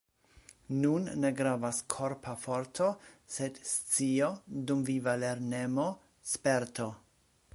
Nun ne gravas korpa forto, sed scio, dumviva lernemo, sperto.